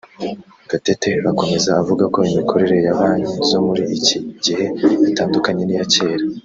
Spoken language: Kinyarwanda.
Gatete akomeza avuga ko imikorere ya banki zo muri iki gihe itandukanye n’iya kera